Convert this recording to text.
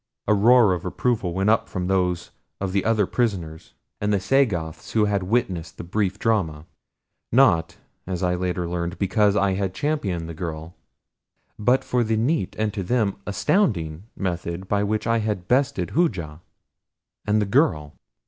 A roar of approval went up from those of the other prisoners and the Sagoths who had witnessed the brief drama; not, as I later learned, because I had championed the girl, but for the neat and, to them, astounding method by which I had bested Hooja. And the girl?